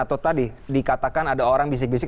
atau tadi dikatakan ada orang bisik bisik